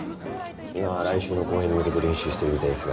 今は来週の公演に向けて練習しているみたいですが。